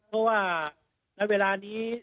เพราะว่าในเวลานี้